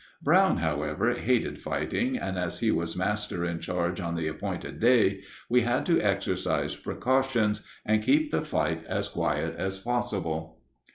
Brown, however, hated fighting, and as he was master in charge on the appointed day, we had to exercise precautions and keep the fight as quiet as possible.